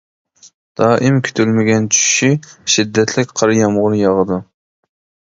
دائىم كۈتۈلمىگەن چۈشىشى شىددەتلىك قارا يامغۇر ياغدۇ.